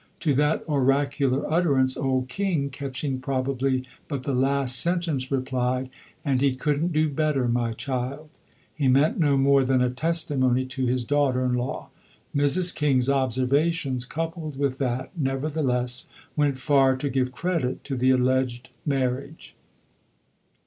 To that oracular utterance old King, catching probably but the last sentence, replied, "And he couldn't do better, my child." He meant no more than a testimony to his daughter in law. Mrs. King's observations, coupled with that, nevertheless, went far to give credit to the alleged marriage.